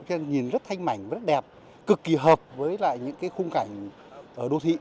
nhưng nhìn rất thanh mảnh rất đẹp cực kỳ hợp với những khung cảnh ở đô thị